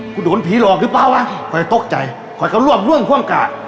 คุณโดนผีหลอกหรือเปล่าวะคอยตกใจคอยเขาร่วมความกะ